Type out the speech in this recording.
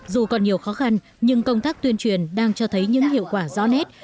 dù còn nhiều khó khăn nhưng công tác tuyên truyền đang cho thấy những hiệu quả rõ nét